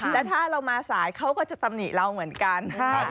แล้วถ้าเรามาสายเขาก็จะตำหนิเราเหมือนกัน